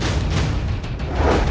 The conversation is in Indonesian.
aku akan menang